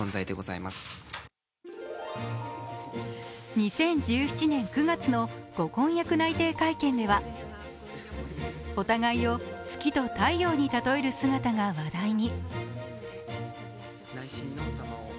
２０１７年９月のご婚約内定会見ではお互いを月と太陽に例える姿が話題に。